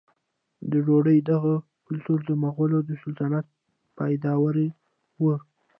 د ډوډۍ دغه کلتور د مغولو د سلطنت پیداوار و.